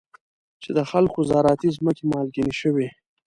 چې د خلکو زراعتي ځمکې مالګینې شوي.